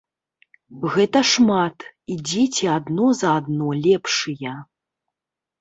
Гэта шмат, і дзеці адно за аднаго лепшыя.